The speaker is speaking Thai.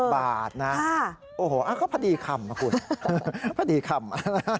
อ๋อ๑๑บาทน่ะอ้าโอ้โหอ้าวเขาพอดีค่ำนะคุณพอดีค่ำ